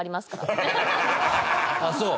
ああそう。